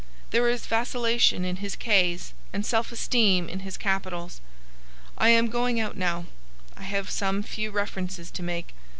There is vacillation in his k's and self esteem in his capitals. I am going out now. I have some few references to make.